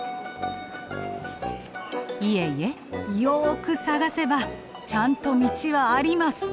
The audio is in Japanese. いえいえよく探せばちゃんと道はあります。